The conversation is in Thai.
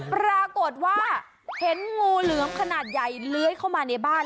ปรากฏว่าเห็นงูเหลือมขนาดใหญ่เลื้อยเข้ามาในบ้าน